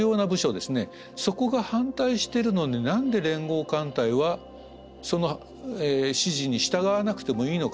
そこが反対してるのに何で連合艦隊はその指示に従わなくてもいいのかと。